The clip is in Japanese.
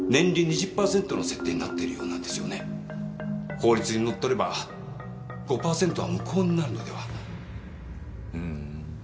法律にのっとれば５％は無効になるのではふん。